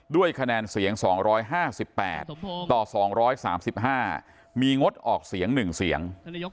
ด้วยคะแนนเสียง๒๕๘ต่อ๒๓๕มีงดออกเสียง๑เสียง